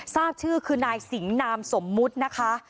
ทราบชื่อคือนายสิงหนามสมมุตินะคะ